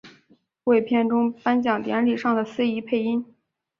为片中颁奖典礼上的司仪配音。